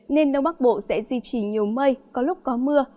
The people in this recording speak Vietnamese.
nên đông bắc bộ sẽ duy trì nhiều mây có lúc có mưa